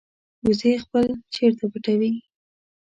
وزې خپل چرته پټوي